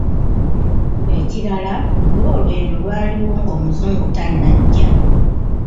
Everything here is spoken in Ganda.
Ekirala lwo olwendo lwaliwo ng’Omuzungu tannajja